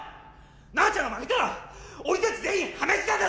直ちゃんが負けたら俺たち全員破滅なんだぞ！